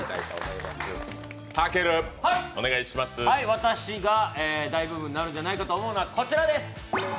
私が大ブームになるんじゃないかと思うのはこちらです。